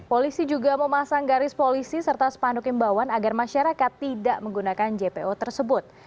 polisi juga memasang garis polisi serta sepanduk imbauan agar masyarakat tidak menggunakan jpo tersebut